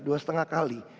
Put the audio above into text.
dua setengah kali